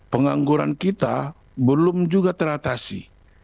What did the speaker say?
pengangguran kita belum juga teratasi